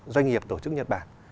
doanh nghiệp tổ chức nhật bản